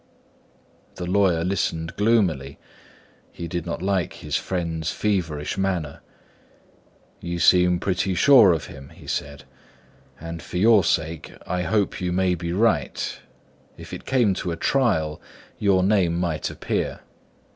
The lawyer listened gloomily; he did not like his friend's feverish manner. "You seem pretty sure of him," said he; "and for your sake, I hope you may be right. If it came to a trial, your name might appear."